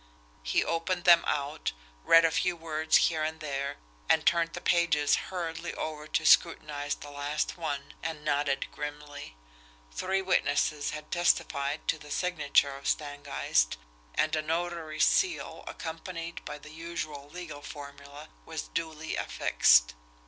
He opened them out, read a few words here and there, and turned the pages hurriedly over to scrutinise the last one and nodded grimly. Three witnesses had testified to the signature of Stangeist, and a notary's seal, accompanied by the usual legal formula, was duly affixed.